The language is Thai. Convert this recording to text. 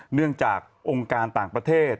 เนื่องจากองค์การต่างประเทศ